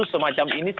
jadi kita harus melihat